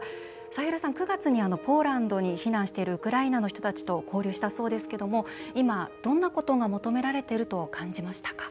サヘルさん、９月にポーランドに避難しているウクライナの人たちと交流したそうですけれども今どんなことが求められていると感じましたか？